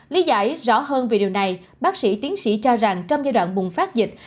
lý giải rõ hơn về điều này bác sĩ tiến sĩ cho rằng trong giai đoạn bùng phát dịch